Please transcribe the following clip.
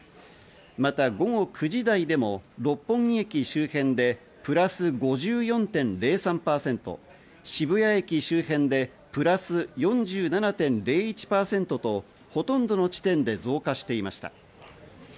また午後９時台でも六本木駅周辺でプラス５４．０３％、渋谷駅周辺でプラス４７．０１％とほとんどの地点で増加していました。